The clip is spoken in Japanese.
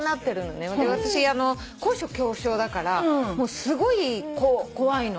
で私高所恐怖症だからもうすごい怖いの。